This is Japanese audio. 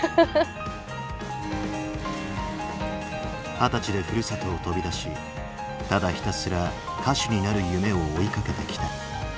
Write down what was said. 二十歳でふるさとを飛び出しただひたすら歌手になる夢を追いかけてきた。